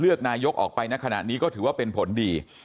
นายกออกไปในขณะนี้ก็ถือว่าเป็นผลดี